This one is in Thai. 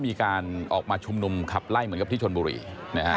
แต่เราจะไล่เพื่ออยุติธรรมของชนโบรีค่ะ